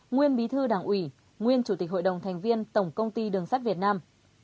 nguyên bí thư đảng ủy nguyên chủ tịch hội đồng thành viên tổng công ty đường sắt việt nam